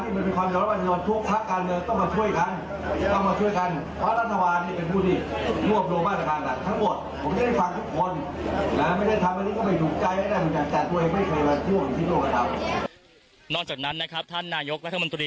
เพราะรัฐวาธรรมดะเป็นผู้ที่รวบโลกมาตรคันต่ำทั้งหมด